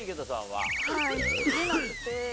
はい食べなくて。